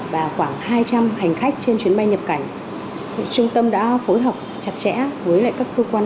và khoảng hai trăm linh hành khách trên chuyến bay nhập cảnh trung tâm đã phối hợp chặt chẽ với các cơ quan